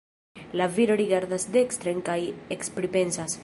La viro rigardas dekstren kaj ekpripensas.